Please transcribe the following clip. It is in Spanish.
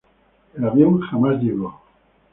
El avión jamás llegó.